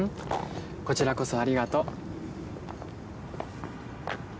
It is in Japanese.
こちらこそありがとう。